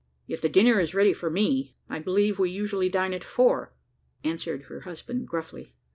"If the dinner is ready for me. I believe we usually dine at four," answered her husband gruffly.